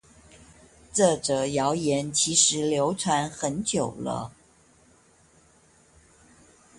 這則謠言其實流傳很久了